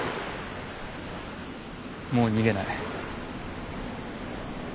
もう逃げない。